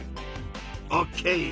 オッケー！